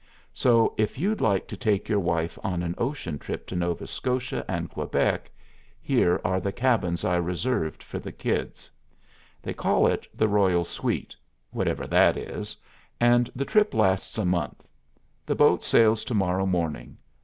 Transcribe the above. So, if you'd like to take your wife on an ocean trip to Nova Scotia and Quebec, here are the cabins I reserved for the kids. They call it the Royal Suite whatever that is and the trip lasts a month. The boat sails to morrow morning.